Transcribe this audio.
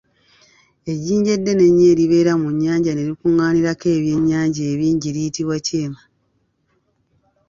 Ejjinja eddene ennyo eribeera mu nnyanja ne likuŋaanirako ebyennyanja ebingi liyitibwa kyema.